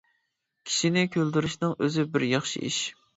كىشىنى كۈلدۈرۈشنىڭ ئۆزى بىر ياخشى ئىش.